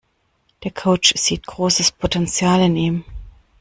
Der Coach sieht großes Potenzial in ihm.